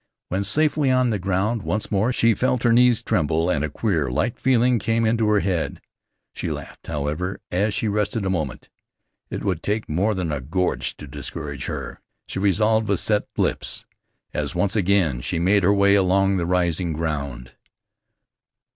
When safely on the ground once more she felt her knees tremble and a queer, light feeling came into her head. She laughed, however, as she rested a moment. It would take more than a gorge to discourage her, she resolved with set lips, as once again she made her way along the rising ground.